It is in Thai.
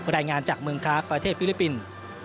รายงานจากเมืองคาร์กประเทศฟิลิปปินส์